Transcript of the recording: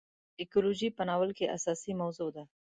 اکولوژي په ناول کې اساسي موضوع ده.